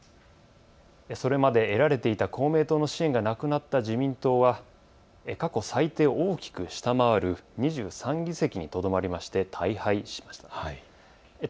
これまで得られていた公明党の支援がなくなった自民党は過去最低を大きく下回る２３議席にとどまりまして大敗しました。